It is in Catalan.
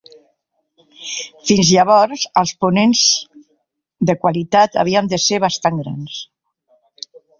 Fins llavors, els ponents de qualitat havien de ser bastant grans.